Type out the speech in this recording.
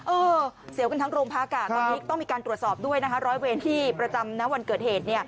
เสียวกันทั้งโรงพักตอนนี้ต้องมีการตรวจสอบด้วยนะคะร้อยเวรที่ประจำนะวันเกิดเหตุ